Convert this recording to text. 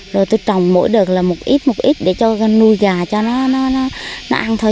rồi tôi trồng mỗi đợt là một ít một ít để cho nuôi gà cho nó ăn thôi